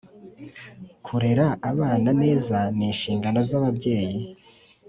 kurera abana neza ni inshingano zababyeyi